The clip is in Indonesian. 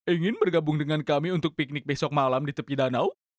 ingin bergabung dengan kami untuk piknik besok malam di tepi danau